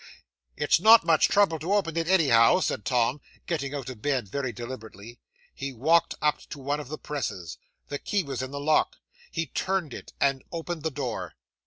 '"It's not much trouble to open it, anyhow," said Tom, getting out of bed very deliberately. He walked up to one of the presses. The key was in the lock; he turned it, and opened the door.